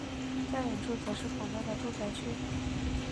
较远处则是广大的住宅区。